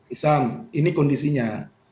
ihsan ini kondisinya